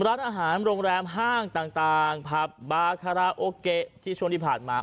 ร้านอาหารโรงแรมห้างต่างผับบาคาราโอเกะที่ช่วงที่ผ่านมา